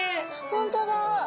本当だ。